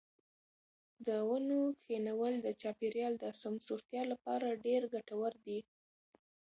د ونو کښېنول د چاپیریال د سمسورتیا لپاره ډېر ګټور دي.